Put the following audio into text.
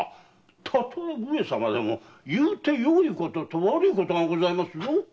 たとえ上様でも言うて良いことと悪いことがございますぞ！